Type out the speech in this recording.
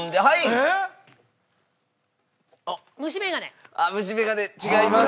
はい！